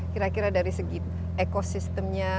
kira kira dari segi ekosistemnya